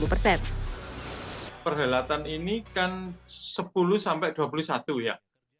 perhelatan ini kan sepuluh sampai dua puluh satu ya